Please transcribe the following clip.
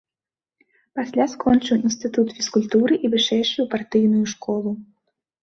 Пасля скончыў інстытут фізкультуры і вышэйшую партыйную школу.